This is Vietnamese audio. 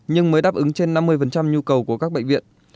nhưng mới đáp ứng trên năm mươi nhu cầu của các bệnh viện